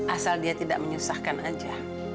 asal dia tidak menyusahkan aja